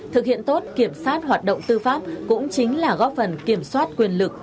thực hiện tốt kiểm soát hoạt động tư pháp cũng chính là góp phần kiểm soát quyền lực